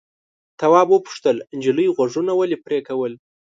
تواب وپوښتل نجلۍ غوږونه ولې پرې کول.